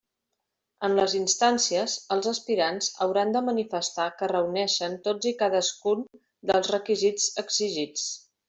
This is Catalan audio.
En les instàncies els aspirants hauran de manifestar que reuneixen tots i cadascú dels requisits exigits.